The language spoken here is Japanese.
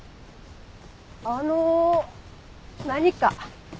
あの何か？